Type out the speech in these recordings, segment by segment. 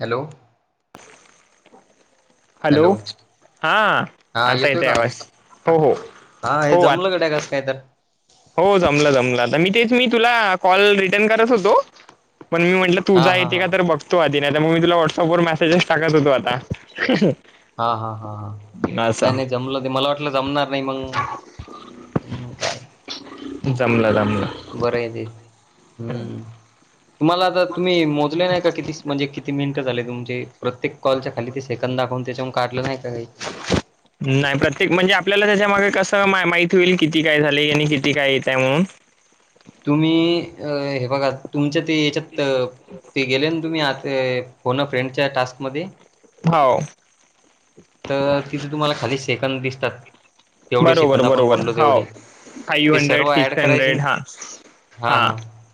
Hello! Hello! हा हा आता येत येतोय का यावज हो हो हा हे हो आ जमलं गड्या कसं काय तर हो जमलं जमलं आता मी तेच मी तुला कॉल रिटर्न करत होतो पण मी म्हटलं. हा तुझा हा येते हा का तर बघतो आ ती नाही तर मग मी तुला व्हॉट्सअपवरर मेसेजेस टाकत होतो आता. हा हा हा हा नाही नाही जमलं ते मला वाटलं जमणार नाही मग. जमला जमला. बरं आहे ते हम्म तुम्हाला आता तुम्ही मोजले नाही का किती म्हणजे. किती मिनिटं झाले तुमचे प्रत्येक कॉलच्या खाली ते सेकंद दाखवून त्याच्या काढलं नाही काही नाही प्रत्येक म्हणजे आपल्याला त्याच्यामागे कसं माहिती होईल किती काय झाले आणि किती काय येत आहे म्हणून. तुम्ही अ हे बघा तुमच्या ते याच्यात. ते गेले ना तुम्ही आ फन फ्रेंडच्या टास्क मध्ये हो तर तिथे तुम्हाला खाली सेकंद दिसतात. तेवढे बरोबर सेकंद आपण बरोबर बोललो हो तेवढे फाइव ते हंड्रेड सर्व ऍड सिक्स करायचे न हंड्रेड हा हा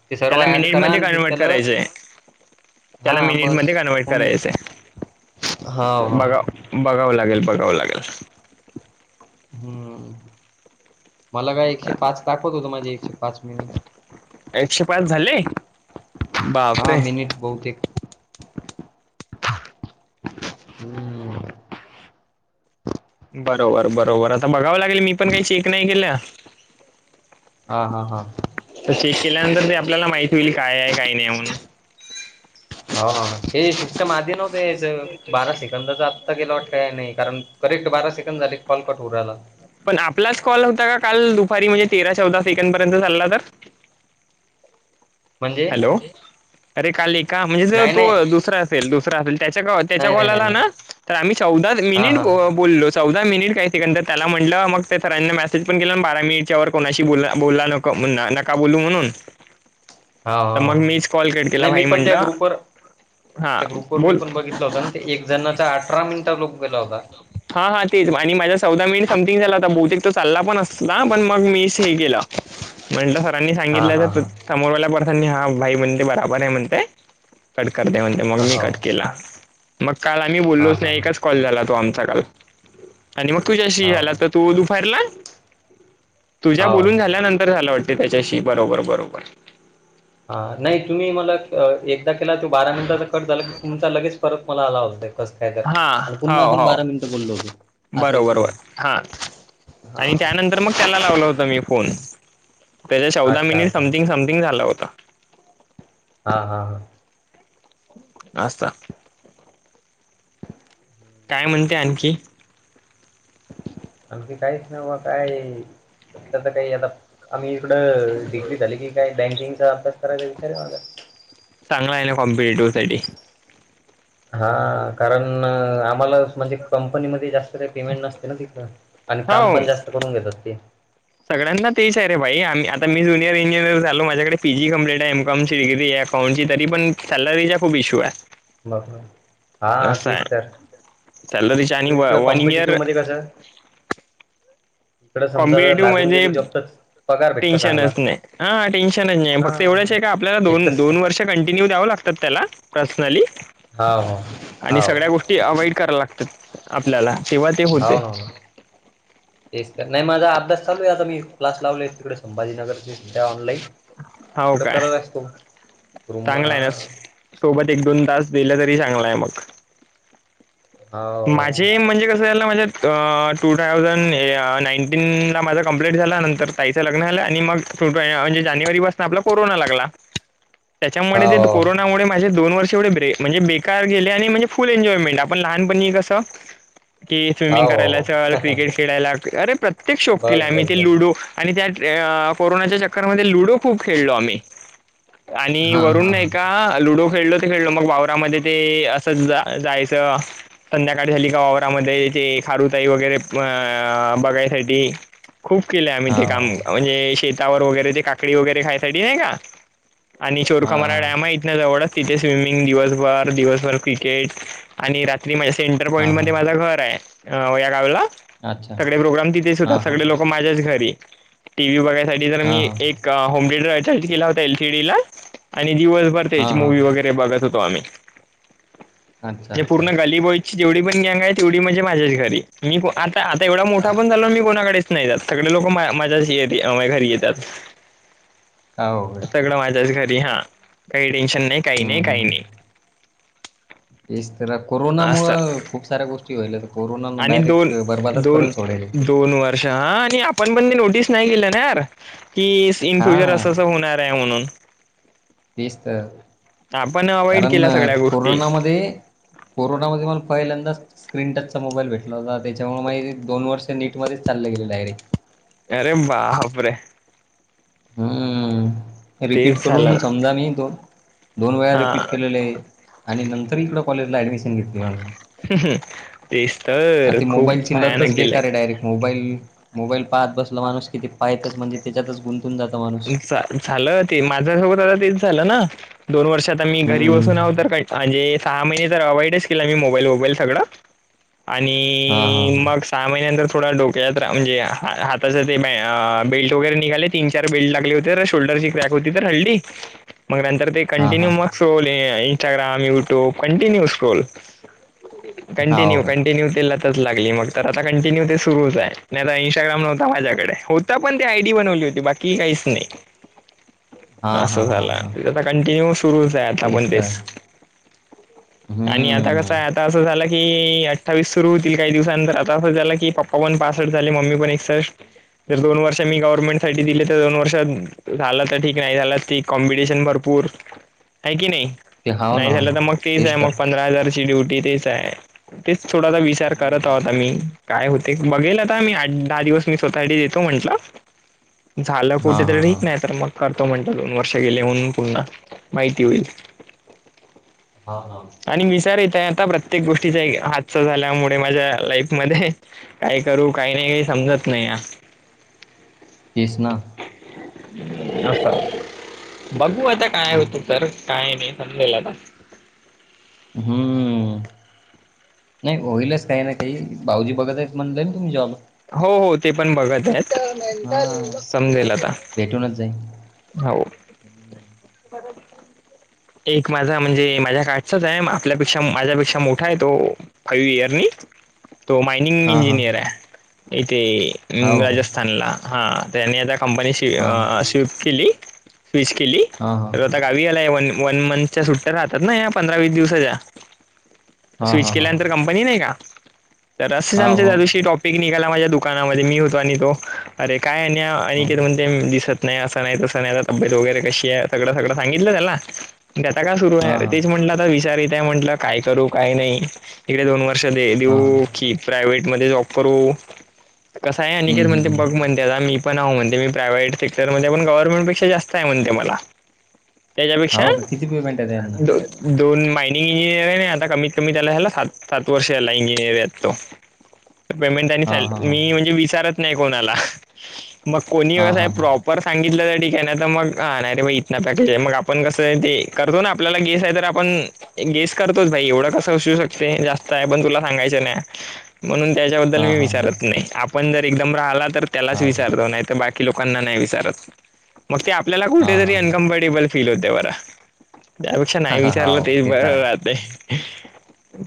ते सर्व त्याला ऍड करा मिनिटमध्ये आणि कन्वर्ट त्याला करायचंय. हा त्याला बस मिनिटमध्येध्ये कन्वर्ट होऊन करायचं जा हा हो हो बघा. बघावं लागेल बघावं लागेल. हम्म मला का एकशे पाच दाखवत होत माझे एकशे पाच मिनिट एकशे पाच झाले बापरे! मीठ बहुते एक हम्म बरोबर बरोबर आता बघावं लागेल मी पण काही चेक नाही केल्या. हा हा हा तर चेक केल्यानंतर ते आपल्याला माहिती होईल काय आहे काही नाही म्हणून ह हे शिकस्टम आधी नव्हते बारा सेकंदाच आत्ता गेला वाटतं का नाही कारण करेक्ट बारा सेकंड झाले कॉल कट उरायला. पण आपलाच कॉल होता काल दुपारी म्हणजे तेरा चौदा सेकंड पर्यंत चालला तर म्हणजे हॅलो अरे काल का म्हणजे ज नाही तो नाही दुसरा असेल दुसरा असेल. नाही नाही नाही कला नाही ना तर आम्ही चौदा हा मि हा बोललो. चौदा मिनिट काही तिक तर त्याला म्हटलं मग ते सरां्यांनी मसेज पण केलं ना बारा मिनट ववर कोणाशी बोल बोलला नको. नका बोलू म्हणून तर मग हाा मीच कॉल कट केला नाही मी भाई पण त्या म्हटलं ग्रुपवर हा त्या ग्रुप वर मी बोल पण बघितला होत ते एक जणचा अठरा मिनिटा लोक गेला होता. हा हा तेच आणि माझा चौदा मिनिट समथिंग झाला होता बहुतेको चालला पण असता ना पण मग मीस हे केला. म्हणलं सरांनी हा सांगितलं हा तर हा समोरवाल्या पर्सांनी हा भाई म्हणते बराबर आहे म्हणते. कट करते म्हणते मग मी हो कट केला. मग काल आम्ही हा बोललोच हा नाही एकाच हा कॉल झाला तो आमचा काल आणि मग तुझ्याशी हो या्याला तर का तू दुफारला तुझ्या हो बोलून झाल्यानंतर झाला वाटते त्याच्याशी बरोबर बरोबर हा नाही तुम्ही मला एकदा केला त बारा मिमताचा कट झाला की तुमचा लगेच परत मला आला होता. कस काय हा तर पुन्हा हो आपण हो बारा मिनिटं बोललो होतती. बरोबर बर हा आणि हा त्यानंतर मग त्याला लावलं होत मी फोन त्याच्या चौदा अच्छा मिनीत अच्छा समथिंग समथिंग झाला होता. हा हा हा असस्ता काय म्हणते आणखी आमख काहीच ना बा काय सतत तर काही आता आम्ही इकडं डिग्री झाली की काय बँकिंगचा अभ्यास करायचा विचारे माझा चांग आहे ना कॉम्पटेटिव्हसाठी हा कारण आम्हाला म्हणजे कंपनीमध्येध्ये जास्त काही पेमेंट नसते ना तथ आणि काम हो पण जास्त करून घेतात तेी सगळ्यांना तेच आहे र आहे भाई आम् आता मी जुनियर इंजिनिर हां, झालोझ्याडे पी जी कम्प्लीट आहे एम कॉम डिग्री अकाउंटची तरी पण सॅलरीचा खूप इशू आहे. मगणे हा असं तेच आहे तर सॅलरीचा आणि त इकड वन इयर कॉम्पिटेटिव्ह मध्ये कसं. इकड समजा जर कॉम्पिटेटिव्ह लागून म्हणजे गेली जक्तच टेन्शनच नाहीा टेन्शनच नाही फक्त हां, एवढंच आपल्याला एक तर दोन दोन स वर्ष कंटिन्यू द्या लाात त्या पर्नली हाव, आणि हाव, सगळ्या गोष्टी अवॉइड कराव्या लागतात आपल्याला तेव्हा ते होते. हाव ना, हो ना. तेच का नाहीझ अभ्यास चालू आहे आता मी क्स लावलो आहे तिकडे संभाजीनगर सध्या ऑनलाईन हो इकड काय करालाय तू रुमवर चांगला हा. आहे ना सोबत एक दोन तास दिले तरी चांगलाय मग. हाव, माझे म्हणजे कस. ट्वेल ला माझ्यात म्हणजे टू थाउजंड नाईनटीनला माझा कंप्लीट झाला नंतर. ताईचं लग्न झालं आणि मग म्हणजे जानेवारी पासून आपला कोरोना लागला. [inaudible] त्याच्यामुळे ते हाव, कोरोनामुळे माझे दन वर्ष एवढे ब्रे बेकार गेले आणि म्हणजे फुल एन्यमेंट आपण लहान. पनी कसा. कि स्विमिंग हाव, करायला हो. असेल हो, हो. क्रिकेट खेळायला अरे प्रत्येक शोक बस कला आम्ही बस ते बस. लुडो. आणि त्या कोरोनाच्या चक्करमध्ये लुडो खूप खेळलो आम्ही. आणि हा वरुन हा हा नाही का लुडो खेळलो. खेळलो मग वावरामध्ये ते असं जा जायचं. संध्याकाळी झाली का वावरामध्ये खारुताई वगैरे अ बघायसाठी. खूप केले आम्ही हा ते काम म्हणजे शेतावर वगैरे ते काकडी वगैरे खायसाठी नाही का. [unintelligible] हा व तिथे स्विमिंग दिवसभर दिवसभर क्रिकेट आणि रात्री. सेंटर हा पॉईंट हा मध्ये माझं घर आहे या गावला अच्छा सगळे प्रोग्राम तिथेच होतात हा हा सगळे लोक. माझ्याच घरी टी व्ही बघायसाठी तर हा मी हा एक. होम थिएटर अटॅच केला होता एलसीडी ला आणि दिवस हा भरतेच हा मूवी वगैरे. ते बघत होतो आम्ही अच्छा हे पूर्ण अच्छा अली बॉयची जेवढी पण गँग आहे तेवढी म्हणजे माझ्याच घरी मी आता आता एवढा मोठा पण हा झालो मी कोणाकडे नाहीत सगळे लोक माझ्या माझ्याच घरी येतात. होय सगळं माझ्याच घरी हा काही टेन्शन नाही काही हम्म नाही काही हम्म नाही. तेच तर कोरोना असं मुळं खूप साऱ्या गोष्टी कोरोना आणि दोन डायरेक्ट बरबादच दोन करून सोडले. दोन वर्ष ह आणि आपण पण ते नोटीस नाही केलं ना यार की इन हा फ्युचर असं असं होणार आहे म्हणून. तेच तर आपण अवॉइड कारण केल्या सगळ्या गोष्टी कोरोनामध्ये. कोरोनामध्ये मला पहिल्यांदाच. स्क्रीन टचचा मोबाईल भेटला होता त्याच्यामुळे माझी दोनर्ष नीटमध्ये चालले गेले डायरेक. अरे बाप रे. हम्म. रिपीट तेच झालं करून ना. समजा म दोन दोन वेळा हा रिपीट केलेले आहे. आणि नंतर इकड कॉलेजला ऍडमिशन घेतली मग. तेच आरे तर ती खूप मोबाईलची भयानक लतच बेकार आहे गेलंय डायरेक्ट मोबाईल. मोबाईल पाहत बसला माणूस कि तो पाहतच म्हणजे त्याच्यातच गुंतून जात. झालं ते माझ्यासोबत आता तेच झालं ना. दोन वर्षात आम्ही घरी हम्म बसून आहो तर का म्हणजे सहा महिने तर अवाइडच केला म्ही मोबाईल वबाईल सगळं. हा हा आणि मग स सहा महिन्यानंतर थोडा डोक्यात रा म्हणजे हा हाताचा ते आ बेल्ट वगैरे निघाले. चार बेल्ट लागले होते शोल्डरची क्रॅक होती तर हड्डी मग नंतर ते हा हा हा कंटिन्यू मग. साल ये इंस्टाग्राम, युटुब‌ कनटूनू स्क्रोल. हा हो कंटिन्यू काय कटन्यूला लागली मग तर आता कंटिन्यू ते सुरूच इंस्टाग्राम नव्हता माझ्याकडे होता पण ते आयडी बनवली होती बाकी की काहीस नाही. हा हा असं हा झालं हा आता कंटिन्यू सुरूच आहे आता पण तेच. आणि आता कस हम्म आहे आता असं झालं की अठ्ठावीस सुरु होतील काही दिवसानंतर आता असं झालं की पप्पा पण पासष्ट झाले मम्मी पण एकसष्ट जर दोन वर्ष मी गवर्नमेंसाठी येत्या दोन वर्षात झालं तर ठीक, नाही झालं तर ठीक. कॉम्पिटिशन भरपूर, आहे की नाही? ते हाव ना नाही हो झालं ना तर मग, फीज आहे तेच मग तर पंधरा हजार ची ड्युटी तीच आहे. तेच थोडासा विचार करत हम्म आहोत आम्ही. काय होतंय, ते बघेल. आता मी आठ-दहा दिवस, मी स्वतःसाठी देतो म्हंटलं. झालं हा कुठेतरी, हा हा ठीक. नाही तर, मग करतो म्हणलं दोन वर्ष गेले म्हणून पून्हा, माहिती होईल. हा.. हा. आणि विचार येते, आता प्रत्येक गोष्टीचा एक हादसा झाल्यामुळे माझ्या लाईफमध्ये. काय करू? काय नाही? समजत नाही अ. तेच ना. आता, बघू आता काय होतंय तर? काय नाही, समजेल आता. हमं. नाही होईलच काही ना काही भाऊजी बघत आहेत म्हणले तुम्ही जॉब. हो हो ते पण बघत आहेत हा समजेल आता. भेटूनच जाईन. हो. एक माझा म्हणजे माझ्या काठचाच आहे आपल्यापेक्षा माझ्यापेक्षा मोठा आहे तो. फाईव्ह इयर नी. तो मायनिंग हा हा इंजिनियर आहे हा इथे हो काय राजस्थानला. हा त्यांनी आता कंपनीशी हा अ स्विफ्ट केली स्विच केली. हा हा. तर आता गावी आला आहे व वन मंथच्या सुट्टया राहतात ना या पंधरा वीस दिवसाच्या. हा स्विच हा हा केल्यानंतर कंपनी नाही का तर असंच हा आमच्या हो जादूशी टॉप. पिकनिकाला माझ्या दुकानामध्ये मी होतो आणि तो अरे काय आहे अन्या ह अनिकेत दिसत नाही असं म्हणते तसं नाही तसं नाही तब्येत वगैरे कशी आहे सगळं सगळं सांगितलं त्याला. त्याता काय सुरू हा आहे हा तेच म्हटलं आता विचारीते म्हंटलं काय करू काय नाही. इकडे दोन वर्ष दे हा देऊ की प्रायव्हेट मध्ये जॉब करू कसा आहे अनिकेत म्हणते मी. हम्म मग म्हणत्यात, मी पण हो म्हणते प्रायव्हेट सेक्टरमध्ये ते पण गर्व्हमेंट पेक्षा जास्तय म्हणते मला. त्याच्यापेक्षा? हो का किती पेमेंट आहे त्यांना दू दोन मायनिंग इंजिनियरे. आणि आता कमीत कमी त्याला ह्याला सात, सात वर्ष ह्याला इंजिनियरे तो. [inaudible] पेमेंट आणि हा सॅल, हा हा मी म्हणजे विचारत नाही कोणाला. मग कोणी हा कसा आहे हा ह प्रॉप ‌ पर सांगितलं तर ठीक आहे. नायी तर मग आ नाही तर मग इतंन पॅकेज आहे. मग आपण कसंय ते, करतो ना आप आपल्याला गेस आहे तर आपण. गेस करतोच भाई एवढं कसं असू शकते जास्त आहे पण तुला सांगायचं नाही. म्हणून त्याच्याबद्दल हा मी हा विचारत नाही आपण जर एकदम राहिला तर त्यालाच हा हो का विचारतो नाही तर बाकी. की लोकांना नाही विचारत मग ते आपल्याला हा कुठेतरी हा हा अनकम्फर्टेबल फील होतंय बर. त्यापेक्षा नाही ह हा विचारलं हो तेच ते तर बरं आहे राहतय.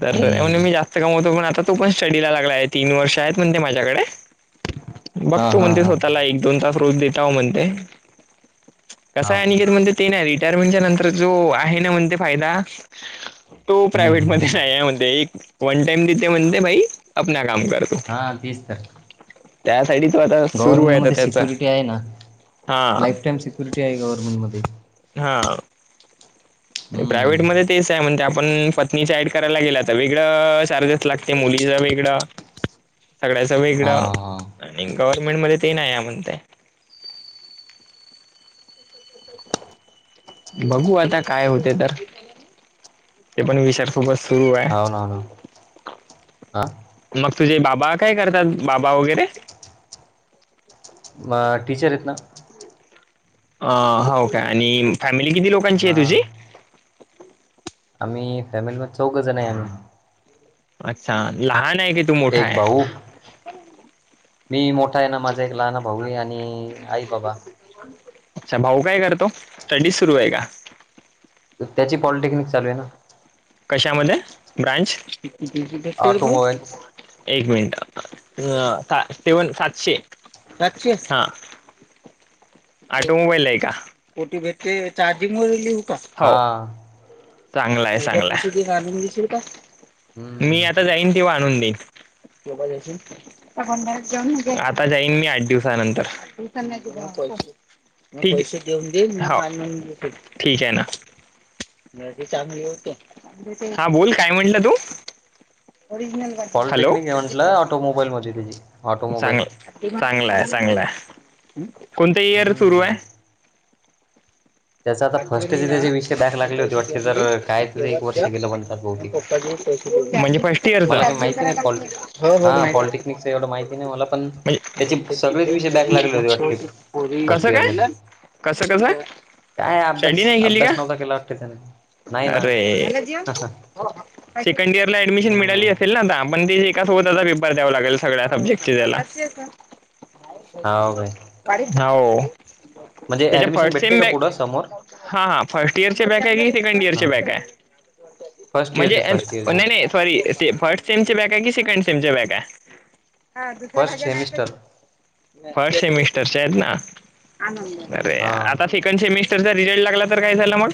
बरबर मी जास्त कमवतो पण आता तो पण स्टडीला लागला आहे तीन वर्ष आहेत म्हणजे माझ्याकडे हा बघतो हा म्हणते हा स्वतःला दोन तास रोज देता म्हणते कसा हा आहे आणि म्हणते. ते नाही रिटायरमेंटच्या नंतर जो आहे ना म्हणते फायदा. तो प्रायव्हेटमध्ये हम्म नाही आहे म्हणते एक वन टाइम देते म्हणते भाई आपना काम करतो. हा तेच तर त्या साठीच आता सुरू आहे आता गव्हर्नमेंटमध्ये त्याचा सिक्युरिटी आहे ना हा लाईफ टाइम सिक्युरिटी आहे गव्हर्नमेंटमध्ये हा हम्म प्रायव्हेटमध्ये तेच आहे म्हणजे आपण पत्नीच ऍड करायला गेला तर वेगळं चार्जेस लागते मुलीच वेगळं ह [inaudible] सगळ्याचं वेगळं आणि गव्हर्नमेंट मध्ये ते नाही आहे म्हणतंय. बघू आता काय होते तर ते पण विचार. सुबस सुरू आहे. हाव ना, हाव ना. हा मग तुझे बाबा काय करतात बाबा वगैरे. मग टीचर आहेत ना. अ हाव काय आणि फॅमिली किती लोकांची हा आहे तुझी आम्ही फॅमिली मध्ये चौघजण आहे आम्ही अच्छा लहान आहे कि एक भाऊ. मी मोठा आहे ना माझा एक लहान भाऊ आणि आई बाबा. अच्छा भाऊ काय करतो स्टडी सुरू आहे का? त्याची पॉलिटेक्निक चालू आहे ना. कशामध्ये ब्रांच? ऑटोमोबाईल एक मिनिट अ तेवण सातशे सातशे हा आटो मोबाईल आहे का कोठे भेटते चार्जिंग मध्ये लिहू का? हा हो. चांगला आहे चांगलाशील का मी हम्म. आता जाईन ते आणून देईन. त्योबा येशील. न आता जाईन मी आठ दिवसानंतर ठीक देऊन दे ठीक आहे ना. चांगलं हा बोल काय म्हटलं तू हॅलो पॉलिटेक्निक आहे म्हटलं ऑटोमोबाईलमध्ये त्याची ऑटोमोबाईल चांगलं चांगलाय चांगलंय कोणत इयर सुरू आहे. हम्म. [inaudible] त्याचा आता फर्स्टचे त्याचे विषय बॅक लागले होते वाटते तर काय एक वर्ष गेलं म्हणतात बहुतेक. म्हणजे फर्स्ट इयरचा मला काही माहिती नाही पॉलिट हो हो हां मा पॉलिटेक्निकचं एवढं माहिती नाही मला पण म्हणजे त्याचे सगळेच विषय बॅक लागले होते वाटते फर्स्ट कसं इयरमध्ये काय कसं कसं आहे. काय शेंडी अभ्यास नाही गेली का? अभ्यास नव्हता केला वाटते त्याने नाही ना अरे! सेकंड इयर ला ऍडमिशन हम्म. मिळाली असेल नाता आपण ते सोबतचा पेपर द्यावा लागेल सगळ्या सब्जेक्टचे त्याला हाव काय हो. म्हणजे त्याच्या ऍडमिशन फर्स्ट भेटते सेम का बॅक पुढं समोर हा हा फर्स्ट इयरचे बॅक आहे की सेकंड इयरचे हां बॅक आहे फर्स्ट इयरचे म्हणजे फर्स्ट इयरचे नाही नाही. सॉरी फर्स्ट सेमचे बॅग आहे कि सेकंड सेम चे बॅग आहे. दुसऱ्या फर्स्ट सेमिस्टर भाज्या फर्स्ट सेमिस्टरच्या आहेत ना? अरे हां आता सेकंड सेमिस्टर चा रिझल्ट लागला तर काय झालं मग?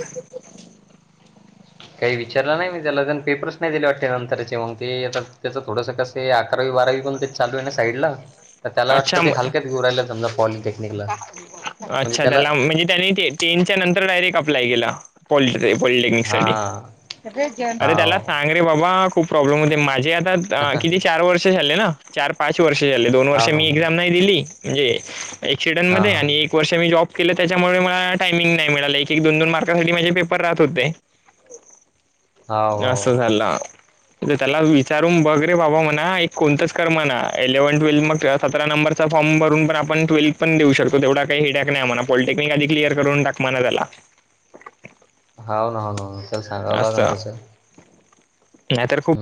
काही विचारला नाही मी त्याला जण पेपर्स नाही दिले वाटते नंतरचे मग ते आता त्याचं थोडंस कस. ते अकरावी बारावी पण ते चालू आहे ना साईडला तर त्याला अच्छा वाटतं ते हलक्यात घेऊ राहिला समजा. पॉलिटेक्निकला अच्छा त्याला म्हणजे त्यानी टेनच्या नंतर डायरेक्ट अप्लाय केला. फोल्ड रे, फोल्डींग मीक्सर घे हां अरे त्याला हाव सांग अरे बाबा खूप प्रॉब्लेम होते माझे, आता हाव किती चार वर्ष झाले ना? चार पाच वर्ष झाले, दोन वर्ष ना. हो मी ना. एक्झाम नाही दिली, म्हणजे एक्सिडंट हां, मध्ये हां. आणि एक वर्ष मी जॉब केलं, त्याच्यामुळे मला टायमिंग नाही मिळाले. एक एक दोन दोन मार्कासाठी माझे पेपर राहत होते. [inaudible] हाव, असं हाव. झाल. ते त्याला विचारून बघ रे बाबा म्हणा, एक कोणतंच कर म्हणा एलेव्हनथ ट्वेल् मग सतरा नंबरचा फॉर्म भरून पण आपण ट्वेल्थ पण देऊ शकतो, तेवढा काही हेड्याक नाही म्हणा, पॉलटेक्निक आधी क्लिअर करून टाकं म्हणा त्याला हाव ना ना त्याला सांगावं लागल तसं. नाही तर खूप